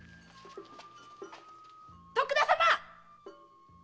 徳田様っ！